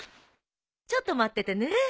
ちょっと待っててね。